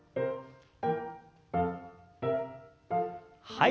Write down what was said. はい。